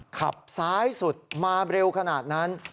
ขับซ้ายสุดมาเร็วขนาดนั้น